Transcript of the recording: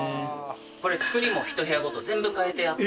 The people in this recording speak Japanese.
これ造りもひと部屋ごと全部変えてやってて。